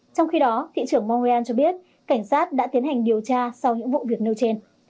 trong khi đó thị trưởng montreal cho biết cảnh sát đã tiến hành điều tra sau những vụ việc nêu trên